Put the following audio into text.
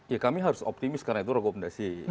ya kami harus optimis karena itu rekomendasi